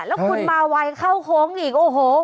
แล้วคุณมาไวเข้าโค้งอีกโอ้โห